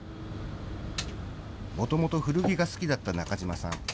もともと古着が好きだった中島さん。